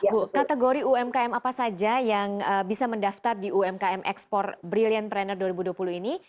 bu kategori umkm apa saja yang bisa mendaftar di umkm ekspor brilliant pranner dua ribu dua puluh ini